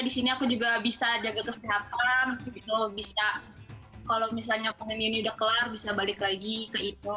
di sini aku juga bisa jaga kesehatan dan semoga keluarga bisa baik baik saja terhindar dari penyakit gitu dan semoga di sini aku juga bisa jaga kesehatan dan semoga di sini aku juga bisa jaga kesehatan dan